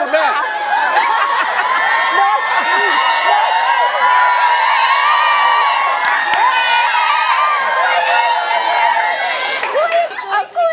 กุยกุย